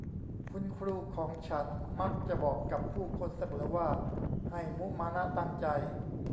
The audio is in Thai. คุณครูของฉันมักจะบอกกับผู้คนเสมอว่า ให้มุมานะตั้งใจ